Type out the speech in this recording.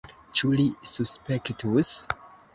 Ĉu li suspektus?